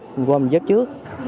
mình qua mình giúp trước